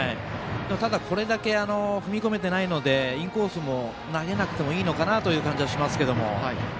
ただ、これだけ踏み込めていないのでインコースを投げなくてもいいのかなという感じもします。